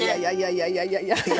いやいやいやいや。